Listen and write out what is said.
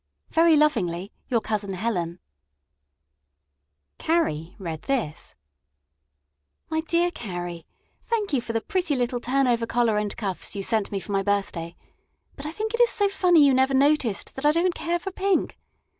Very lovingly YOUR COUSIN HELEN Carrie read this: My dear Carrie: Thank you for the pretty little turnover collar and cuffs you sent me for my birthday; but I think it is so funny you never noticed that I don't care for pink.